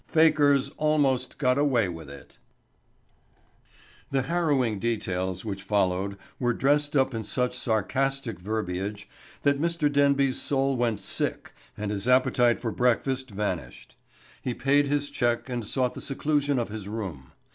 –––– FAKIRS ALMOST GOT AWAY WITH IT The harrowing details which followed were dressed up in such sarcastic verbiage that Mr. Denby's soul went sick and his appetite for breakfast vanished. He paid his check and sought the seclusion of his room.